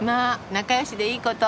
仲良しでいいこと。